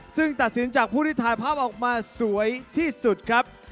ซึ่งตัดสินจากผู้ที่ถ่ายภาพออกมาสวยที่สุดครับ